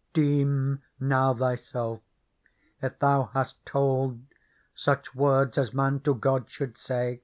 " Deem now thyself if thou hast told Such words as man to God should say.